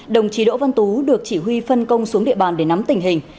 đồng chí đỗ văn tú được chỉ huy phân công xuống địa bàn để nắm tình hình